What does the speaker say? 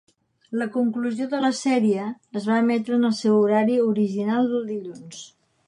La conclusió de la sèrie es va emetre en el seu horari original del dilluns.